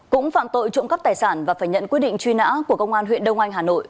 cũng phạm tội trộm cắp tài sản và phải nhận quyết định truy nã của công an huyện đông anh hà nội